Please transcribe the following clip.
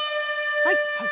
はい。